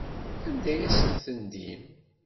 Anda ay asent-tendim?